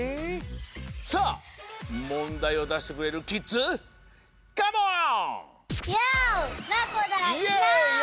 さあもんだいをだしてくれるキッズカモン！